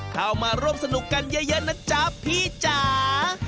เข้ามาร่วมสนุกกันเยอะนะจ๊ะพี่จ๋า